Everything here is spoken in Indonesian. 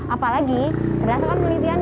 apalagi berdasarkan penelitian